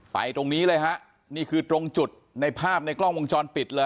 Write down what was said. ตรงนี้เลยฮะนี่คือตรงจุดในภาพในกล้องวงจรปิดเลย